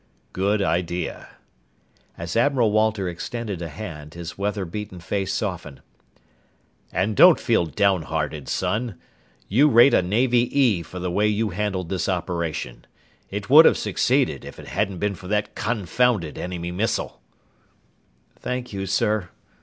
"Good idea." As Admiral Walter extended a hand, his weather beaten face softened. "And don't feel downhearted, son. You rate a Navy 'E' for the way you handled this operation. It would have succeeded if it hadn't been for that confounded enemy missile!" "Thank you, sir."